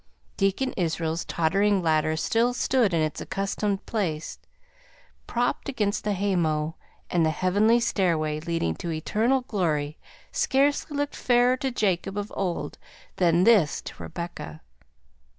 Deacon Israel's tottering ladder still stood in its accustomed place, propped against the haymow, and the heavenly stairway leading to eternal glory scarcely looked fairer to Jacob of old than this to Rebecca.